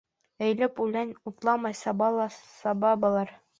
Эйелеп үлән утламай саба ла саба былар.